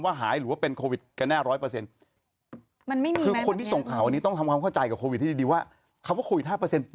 ว่าหายหรือว่าเป็นโควิดกระแหน้ว๑๐๐